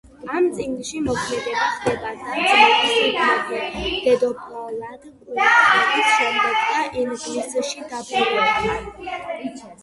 ამ წიგნში მოქმედება ხდება და-ძმების მეფე-დედოფლად კურთხევის შემდეგ და ინგლისში დაბრუნებამდე.